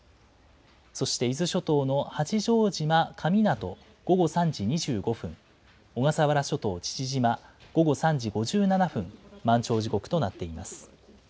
そして伊豆諸島の八丈島神湊、午後３時２５分、小笠原諸島父島午後３時５７分、満潮時刻となっています。